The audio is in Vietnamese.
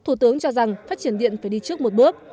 thủ tướng cho rằng phát triển điện phải đi trước một bước